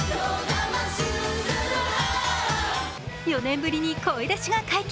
４年ぶりに声出しが解禁。